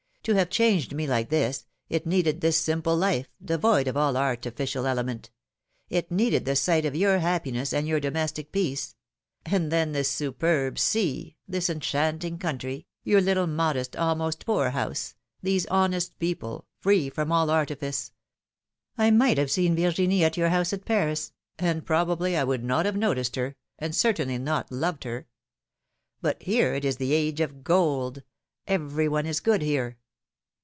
To have changed me like this, it philomI:ne's marriages. 193 needed this simple life, devoid of all artificial element; it needed the sight of your happiness and your domestic peace; and then this superb sea, this enchanting country, your little modest, almost poor house, these honest people, free from all artifice — I might have seen Virginie at your house at Paris, and probably I would not have noticed her, and certainly not loved her. But here it is the Age of Gold — every one is good here